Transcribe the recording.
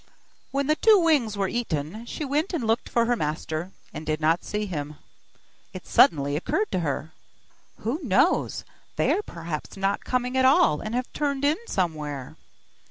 When the two wings were eaten, she went and looked for her master, and did not see him. It suddenly occurred to her: 'Who knows? They are perhaps not coming at all, and have turned in somewhere.